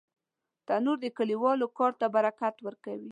تنور د کلیوالو کار ته برکت ورکوي